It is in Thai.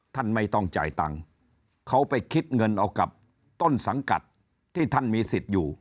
ท่านไม่ต้องจ่ายตังค์เขาไปคิดเงินเอากับต้นสังกัดที่ท่านมีสิทธิ์อยู่